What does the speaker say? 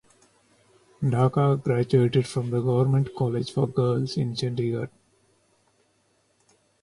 Dhaka graduated from the Government College for Girls in Chandigarh.